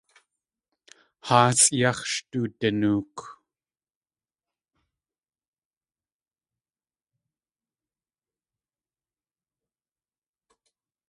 Háasʼ yáx̲ sh tudinook.